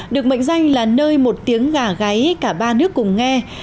được mệnh danh là nơi một tiếng gà gáy cả ba nước cùng nghe